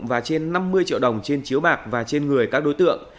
và trên năm mươi triệu đồng trên chiếu bạc và trên người các đối tượng